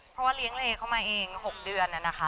เพราะว่าเลี้ยงเลเข้ามาเอง๖เดือนนะคะ